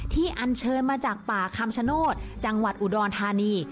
อันเชิญมาจากป่าคำชโนธจังหวัดอุดรธานี